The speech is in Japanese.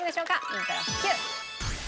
イントロＱ！